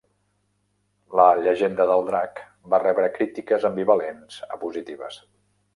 "La llegenda del drac" va rebre crítiques ambivalents a positives.